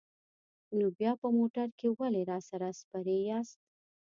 نو بیا په موټر کې ولې راسره سپرې یاست؟